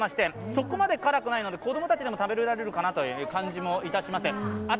そこまで辛くないので、子供たちでも食べられるかなという感じもします。